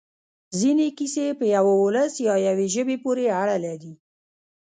ځینې کیسې په یوه ولس یا یوې ژبې پورې اړه لري.